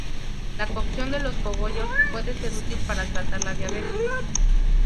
La cocción de los cogollos puede ser útil para tratar la diabetes.